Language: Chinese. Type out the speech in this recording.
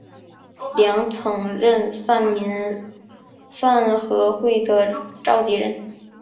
梁曾任泛民饭盒会的召集人。